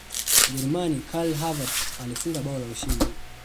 mjerumani karl havertz alifunga bao la ushindi